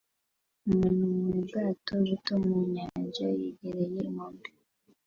Umuntu mubwato buto mu nyanja yegereye inkombe